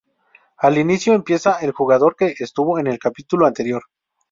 Al inicio empieza el jugador que estuvo en el capítulo anterior.